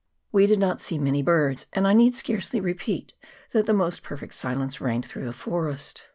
We did not see many birds, and I need scarcely repeat that the most perfect silence reigned through the forest.